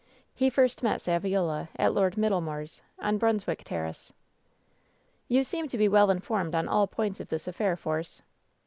He first met Saviola at Lord Middlemoor's, on Brunswick Terrace." "You seem to be well informed on all points of this affair, Force."